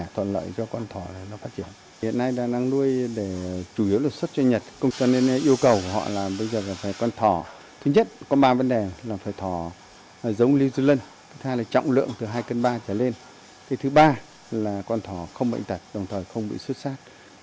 trọng lượng từ hai ba kg trở lên thứ ba là con thỏ không bệnh tật đồng thời không bị xuất sát